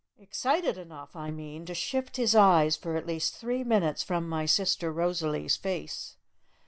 Excited enough, I mean, to shift his eyes for at least three minutes from my sister Rosalee's face.